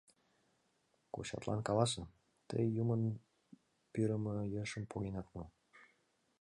Кочатлан каласе: тый юмын пӱрымӧ ешым погенат мо?